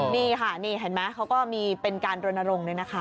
นี่ค่ะเห็นไหมเขาก็มีเป็นการโดนโรงเลยนะคะ